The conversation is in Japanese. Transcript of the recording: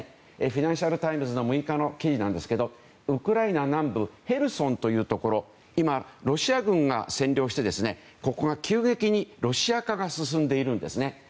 フィナンシャル・タイムズの６日の記事なんですがウクライナ南部へルソンというところ今、ロシア軍が占領してここで急激にロシア化が進んでいるんですね。